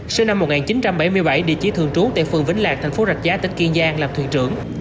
sinh năm một nghìn chín trăm bảy mươi bảy địa chỉ thường trú tại phường vĩnh lạc thành phố rạch giá tỉnh kiên giang làm thuyền trưởng